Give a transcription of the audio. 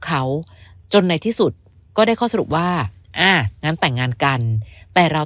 เขาจนในที่สุดก็ได้ข้อสรุปว่าอ่างั้นแต่งงานกันแต่เรา